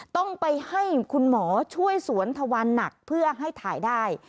ต้องไปให้คุณหมอช่วยสวนทวันหนักเพื่อให้ถ่ายได้